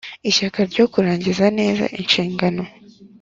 ishyaka ryo kurangiza neza inshingano